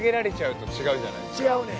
違うねん。